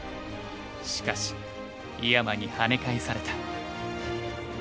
しかし井山にはね返された。